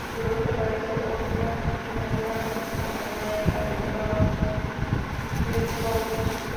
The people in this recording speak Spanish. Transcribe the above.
Al suroeste aparece otra llanura amurallada, la del cráter South.